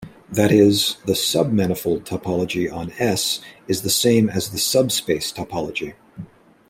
That is, the submanifold topology on "S" is the same as the subspace topology.